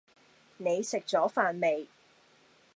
你食咗飯未